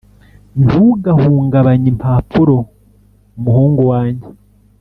ntugahungabanye impapuro, umuhungu wanjye,